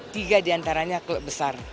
tiga di antaranya klub besar